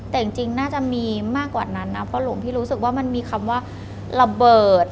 แต่จริงน่าจะมีมากกว่านั้นนะเพราะหลวงพี่รู้สึกว่ามันมีคำว่าระเบิด